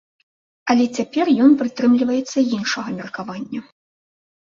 Але цяпер ён прытрымліваецца іншага меркавання.